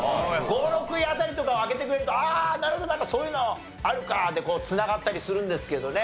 ５６位辺りとかを開けてくれるとああなるほどなんかそういうのあるかってこう繋がったりするんですけどね